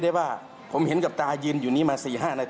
แล้วก็เรียกเพื่อนมาอีก๓ลำ